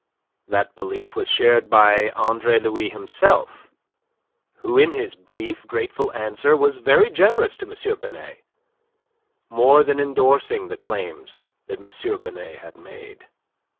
That belief was shared by Andre Louis himself, who in his brief, grateful answer was very generous to M. Binet, more than endorsing the claims that M. Binet had made.